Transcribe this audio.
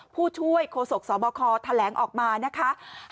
ผู้ช่วยโฆษกสบคแถลงออกมานะคะ